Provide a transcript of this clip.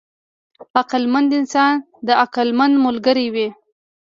عقلمند انسان د عقلمند ملګری وي.